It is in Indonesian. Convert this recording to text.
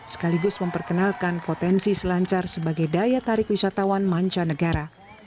sekaligus memperkenalkan potensi selancar sebagai daya tarik wisatawan mancanegara